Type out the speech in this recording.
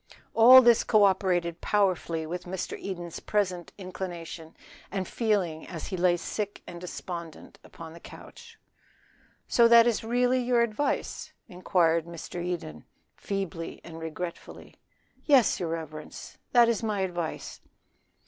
All this co operated powerfully with Mr. Eden's present inclination and feeling as he lay sick and despondent upon the couch. "So that is really your advice?" inquired Mr. Eden, feebly and regretfully. "Yes, your reverence, that is my advice."